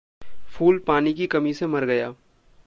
फ़ूल पानी की कमी से मर गया।